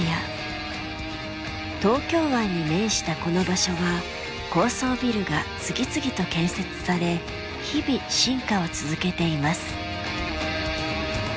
東京湾に面したこの場所は高層ビルが次々と建設され日々進化を続けています。